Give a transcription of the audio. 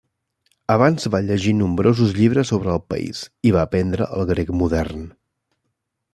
Abans va llegir nombrosos llibres sobre el país i va aprendre el grec modern.